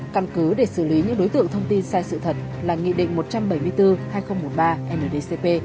căn cứ để xử lý những đối tượng thông tin sai sự thật là nghị định một trăm bảy mươi bốn hai nghìn một mươi ba ndcp